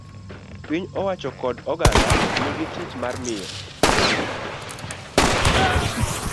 Piny owacho kod oganda nigi tich mar miyo